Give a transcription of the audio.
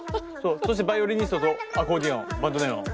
そしてバイオリニストとアコーディオン。